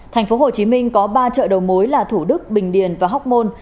tp hcm có ba chợ đầu mối là thủ đức bình điền và hóc môn